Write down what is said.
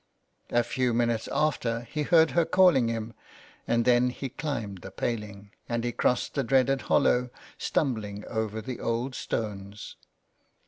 A few minutes after he heard her calling him, and then he climbed the paling, and he crossed the dreaded hollow, stumbling over the old stones.